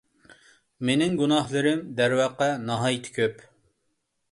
مېنىڭ گۇناھلىرىم، دەرۋەقە، ناھايىتى كۆپ.